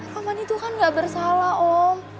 kapan itu kan gak bersalah om